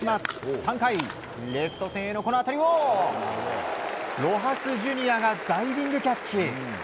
３回、レフト線への当たりをロハス・ジュニアがダイビングキャッチ。